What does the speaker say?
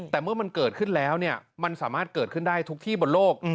แต่เมื่อมันเกิดขึ้นแล้วมันสามารถเกิดขึ้นได้ทุกที่บนโลก